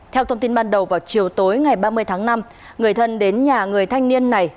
theo thông tin ban đầu vào chiều tối ngày ba mươi tháng năm người thân đến nhà người thanh niên này